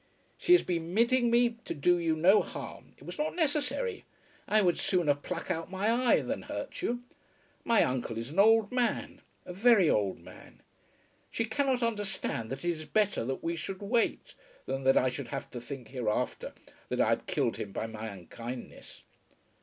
"She has been bidding me to do you no harm. It was not necessary. I would sooner pluck out my eye than hurt you. My uncle is an old man, a very old man. She cannot understand that it is better that we should wait, than that I should have to think hereafter that I had killed him by my unkindness."